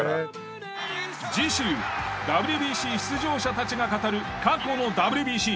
次週ＷＢＣ出場者たちが語る過去のＷＢＣ。